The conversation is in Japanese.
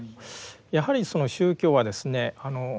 やはり宗教はですね